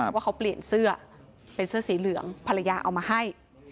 ว่าเขาเปลี่ยนเสื้อเป็นเสื้อสีเหลืองภรรยาเอามาให้